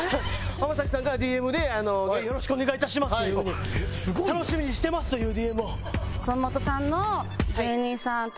浜崎さんからＤＭで「よろしくお願いいたします」という「楽しみにしてます」というＤＭを。